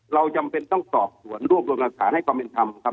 เราจำเป็นต้องตอบหรือร่วมรวมรักษาให้ความเป็นคำครับ